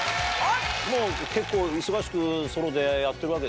もう結構忙しくソロでやってるわけでしょ？